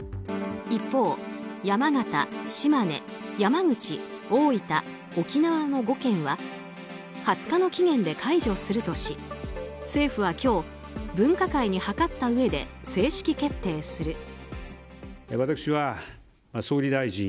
一方、山形、島根、山口、大分沖縄の５県は２０日の期限で解除するとし政府は今日分科会に諮ったうえで正式決定する。